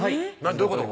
どういうこと？